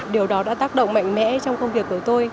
điều đó đã tác động mạnh mẽ trong công việc của tôi